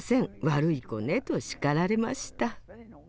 悪い子ね」と叱られました。